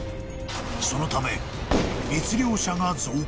［そのため］